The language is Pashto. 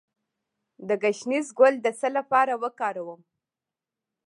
د ګشنیز ګل د څه لپاره وکاروم؟